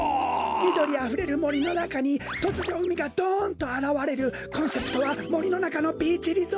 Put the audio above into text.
みどりあふれるもりのなかにとつじょうみがどんとあらわれるコンセプトはもりのなかのビーチリゾート！